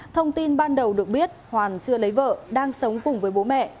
thông tin ban đầu được biết hoàn chưa lấy vợ đang sống cùng với bố mẹ